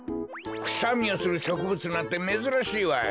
くしゃみをするしょくぶつなんてめずらしいわい。